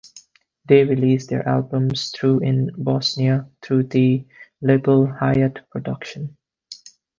They release their albums through in Bosnia through the label Hayat Production.